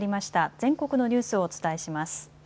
全国のニュースをお伝えします。